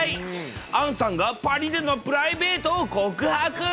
杏さんがパリでのプライベートを告白。